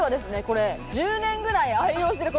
これ１０年ぐらい愛用してる